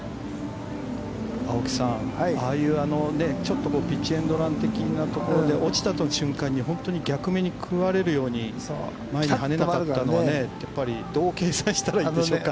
青木さん、ああいうちょっとピッチエンドラン的なところで、落ちた瞬間に本当に逆目に食われるように前に跳ねなかったのは、どう計算したらいいんでしょうか。